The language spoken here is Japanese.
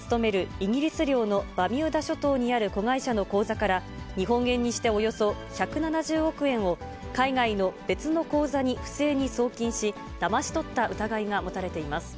イギリス領のバミューダ諸島にある子会社の口座から日本円にしておよそ１７０億円を海外の別の口座に不正に送金し、だまし取った疑いが持たれています。